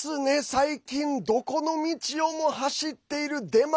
最近、どこの道をも走っている出前。